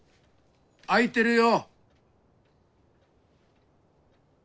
開いてるよ。